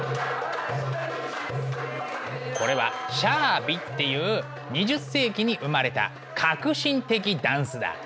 これはシャービっていう２０世紀に生まれた革新的ダンスだ。